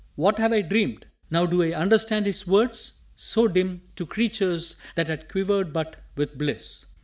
What have I dreamed? Now do I understand His words, so dim To creatures that had quivered but with bliss!